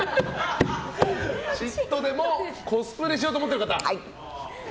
ちっとでもコスプレしようと思ってる方。